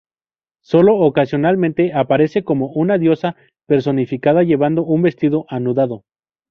Sólo ocasionalmente aparece como una diosa personificada llevando un vestido anudado.